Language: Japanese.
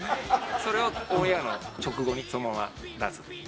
それをオンエアの直後にそのまま出すっていう。